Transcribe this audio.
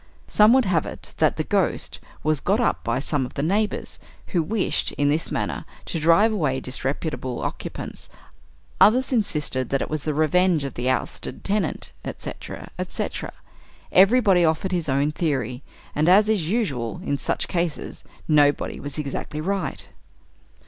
Some would have it that "the Ghost" was got up by some of the neighbors, who wished, in this manner, to drive away disreputable occupants; others insisted that it was the revenge of an ousted tenant, etc., etc. Everybody offered his own theory, and, as is usual, in such cases, nobody was exactly right.